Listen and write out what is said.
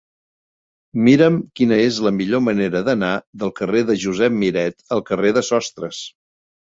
Mira'm quina és la millor manera d'anar del carrer de Josep Miret al carrer de Sostres.